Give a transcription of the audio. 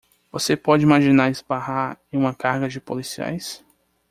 Você pode imaginar esbarrar em uma carga de policiais?